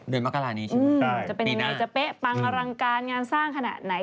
เด็มมักราณนี้ใช่ไหมปีหน้าอเรนนี่จะเป๊ะปังรังการงานสร้างขนาดไหน